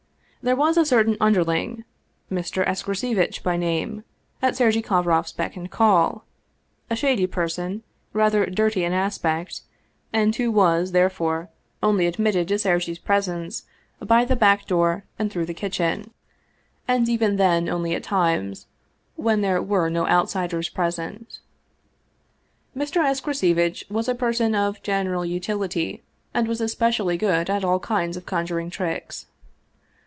There was a certain underling, Mr. Escrocevitch by name, at Sergei Kovroff's beck and call a shady person, rather dirty in aspect, and who was, therefore, only admitted to Sergei's presence by the back door and through the kitchen, and 231 Russian Mystery Stories even then only at times when there were no outsiders present. Mr. Escrocevitch was a person of general utility and was especially good at all kinds of conjuring tricks.